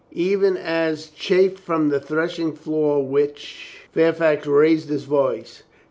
"Even as chaff from the threshing floor which —" Fairfax raised his voice.